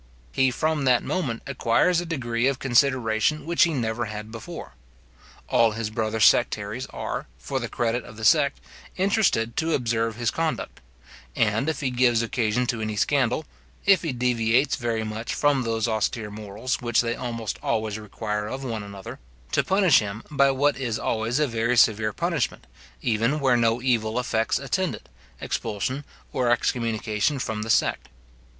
He from that moment acquires a degree of consideration which he never had before. All his brother sectaries are, for the credit of the sect, interested to observe his conduct; and, if he gives occasion to any scandal, if he deviates very much from those austere morals which they almost always require of one another, to punish him by what is always a very severe punishment, even where no evil effects attend it, expulsion or excommunication from the sect.